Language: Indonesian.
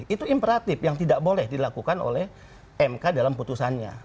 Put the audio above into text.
itu imperatif yang tidak boleh dilakukan oleh mk dalam putusannya